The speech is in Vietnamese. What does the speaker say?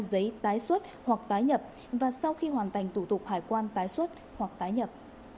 giấy tái xuất hoặc tái nhập và sau khi hoàn thành thủ tục hải quan tái xuất hoặc tái nhập